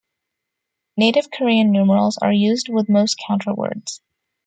Native Korean numerals are used with most counter words.